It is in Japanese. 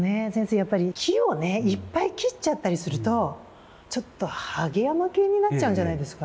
やっぱり木をいっぱい切っちゃったりするとちょっとはげ山系になっちゃうんじゃないですか？